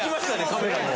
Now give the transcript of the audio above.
カメラも。